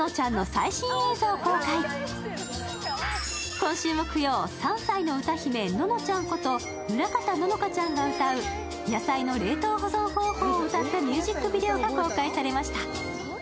今週木曜、３歳の歌姫、ののちゃんこと村方乃々佳ちゃんが歌う野菜の冷凍方法を歌ったミュージックビデオが公開されました。